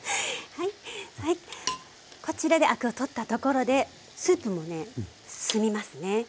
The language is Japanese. こちらでアクを取ったところでスープもね澄みますね。